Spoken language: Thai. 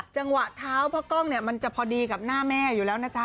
จังหวะเท้าพ่อกล้องเนี่ยมันจะพอดีกับหน้าแม่อยู่แล้วนะจ๊ะ